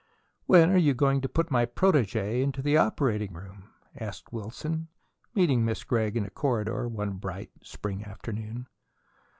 "When are you going to put my protegee into the operating room?" asked Wilson, meeting Miss Gregg in a corridor one bright, spring afternoon.